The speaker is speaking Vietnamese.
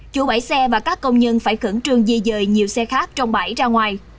chủ bãi xe và các công nhân phải khẩn trương di dời nhiều xe khác trong bãi ra ngoài